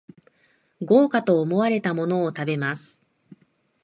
豪華と思われたものを食べます